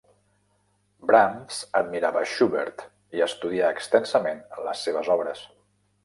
Brahms admirava Schubert i estudià extensament les seves obres.